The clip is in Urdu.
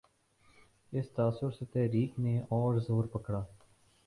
اس تاثر سے تحریک نے اور زور پکڑا۔